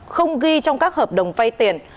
không ghi trong các hợp đồng vay tiền